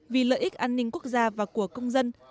vì lợi ích an ninh quốc gia và của công dân